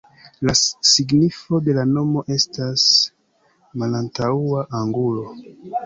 La signifo de la nomo estas "malantaŭa angulo".